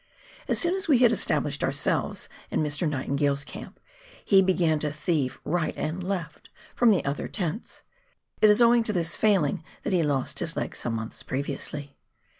As soon as we had established ourselves in Mr. Nightingale's camp, he began to thieve right and left from the other tents ; it is owing to this failing that he lost his leg some months previously.